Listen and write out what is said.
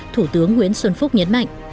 thủ tướng nguyễn xuân phúc nhấn mạnh